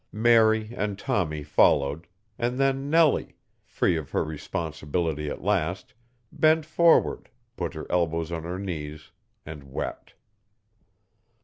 Mary and Tommie followed, and then Nellie, free of her responsibility at last, bent forward, put her elbows on her knees, and wept.